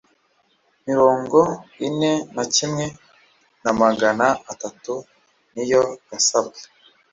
mirongo ine na kimwe na magana atanu niyo yasabwe